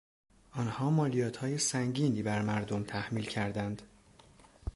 آنها مالیاتهای سنگینی بر مردم تحمیل کردند.